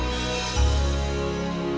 eh soalnya lah pak